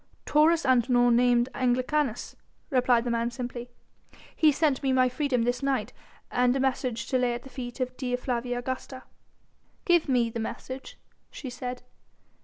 "Taurus Antinor named Anglicanus," replied the man simply; "he sent me my freedom this night and a message to lay at the feet of Dea Flavia Augusta." "Give me the message," she said.